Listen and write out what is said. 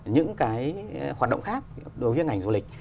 những cái hoạt động khác đối với ngành du lịch